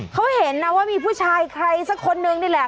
เขาเห็นนะว่ามีผู้ชายใครสักคนนึงนี่แหละ